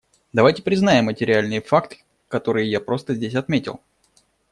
Давайте признаем эти реальные факты, которые я просто здесь отметил.